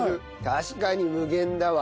確かに無限だわ。